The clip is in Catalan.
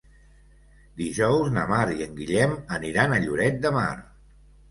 Dijous na Mar i en Guillem aniran a Lloret de Mar.